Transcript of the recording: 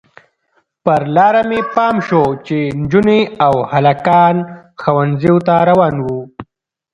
پر لاره مې پام شو چې نجونې او هلکان ښوونځیو ته روان وو.